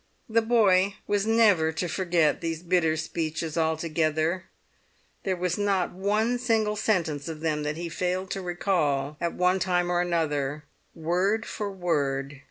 The boy was never to forget these bitter speeches altogether; there was not a single sentence of them that he failed to recall at one time or another word for word.